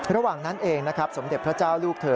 ระหว่างนั้นเองนะครับสมเด็จพระเจ้าลูกเธอ